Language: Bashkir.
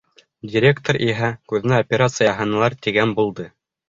Директор иһә, күҙенә операция яһанылар, тигән булды.